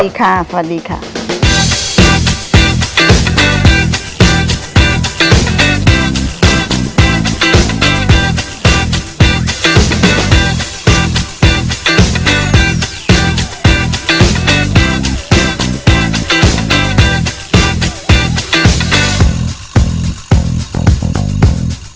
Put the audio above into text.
สวัสดีค่ะ